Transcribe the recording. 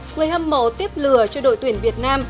người hâm mộ tiếp lửa cho đội tuyển việt nam